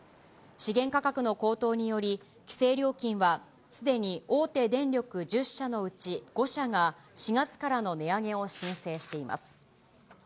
資源価格の高騰により、規制料金はすでに大手電力１０社のうち、５社が４月からの値上げを申請しています。